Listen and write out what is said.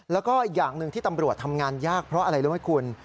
แล้วก็อย่างหนึ่งที่ตำรวจทำงานยากเพราะอะไรรู้ไหมคุณ